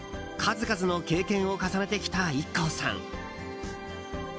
数々の経験を重ねてきたＩＫＫＯさん。